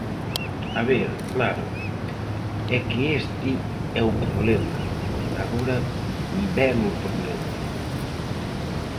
A ver, claro, é que este é o problema, agora vén o problema.